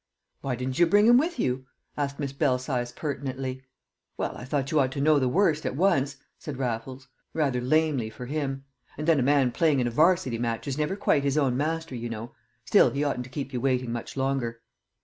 "Why didn't you bring him with you?" asked Miss Belsize pertinently. "Well, I thought you ought to know the worst at once," said Raffles, rather lamely for him; "and then a man playing in a 'Varsity match is never quite his own master, you know. Still, he oughtn't to keep you waiting much longer."